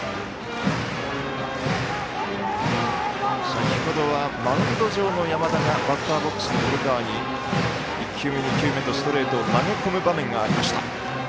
先ほどはマウンド上の山田がバッターボックスの古川に１球目、２球目とストレートを投げ込む場面がありました。